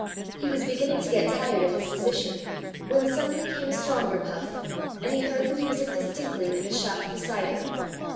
He was beginning to get tired of his position, when suddenly came a stronger puff, and he heard the music distinctly in the shaft beside him.